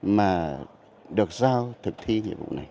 mà được giao thực thi nhiệm vụ này